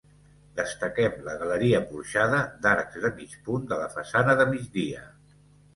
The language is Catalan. Destaquem la galeria porxada d'arcs de mig punt de la façana de migdia.